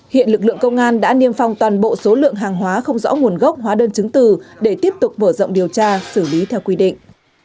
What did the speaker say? hiện lực lượng công an đã niêm phong toàn bộ số lượng hàng hóa không rõ nguồn gốc hóa đơn chứng từ để tiếp tục mở rộng điều tra xử lý theo quy định